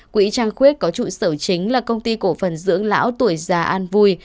quỹ trang khuyết có trụ sở chính là công ty cổ phần dưỡng lão tuổi già an vui